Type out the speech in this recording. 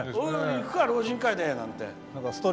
行くか、老人会で！なんて。